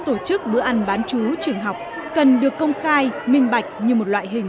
tổ chức bữa ăn bán chú trường học cần được công khai minh bạch như một loại hình